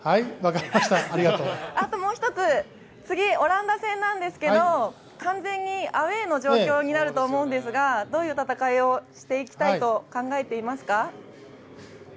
もう１つ、次、オランダ戦なんですけど、完全にアウェーの状況になると思うんですがどういう戦いをしていきたいと考えていますか。